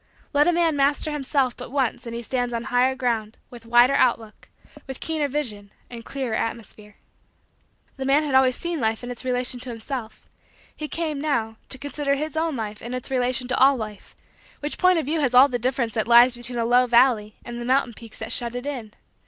Let a man master himself but once and he stands on higher ground, with wider outlook, with keener vision, and clearer atmosphere. The man had always seen Life in its relation to himself; he came, now, to consider his own life in its relation to all Life; which point of view has all the difference that lies between a low valley and the mountain peaks that shut it in.